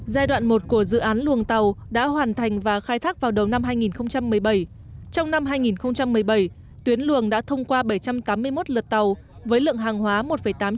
giai đoạn một của dự án luồng tàu đã hoàn thành và khai thác vào đầu năm hai nghìn một mươi bảy